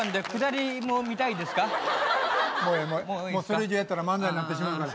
それ以上やったら漫才になってしまう。